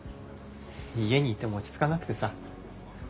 家にいても落ち着かなくてさ。